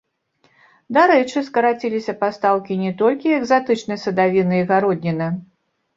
Дарэчы, скараціліся пастаўкі не толькі экзатычнай садавіны і гародніны.